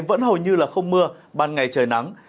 vẫn hầu như là không mưa ban ngày trời nắng